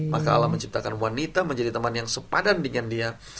maka allah menciptakan wanita menjadi teman yang sepadan dengan dia